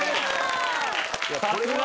さすが！